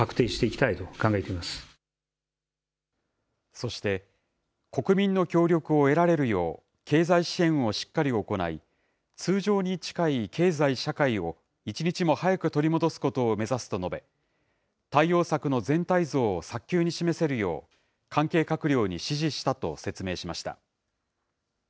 そして、国民の協力を得られるよう、経済支援をしっかり行い、通常に近い経済・社会を一日も早く取り戻すことを目指すと述べ、対応策の全体像を早急に示せるよう、関係閣僚に指示したと説明しました。